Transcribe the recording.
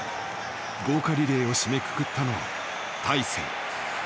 豪華リレーを締めくくったのは大勢。